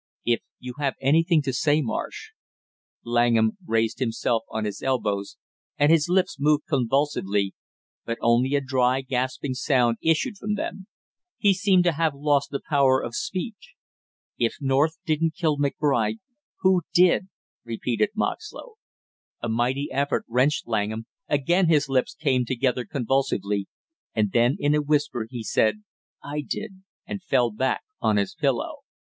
"If you have anything to say, Marsh " Langham raised himself on his elbows and his lips moved convulsively, but only a dry gasping sound issued from them; he seemed to have lost the power of speech. "If North didn't kill McBride, who did?" repeated Moxlow. A mighty effort wrenched Langham, again his lips came together convulsively, and then in a whisper he said: "I did," and fell back on his pillow.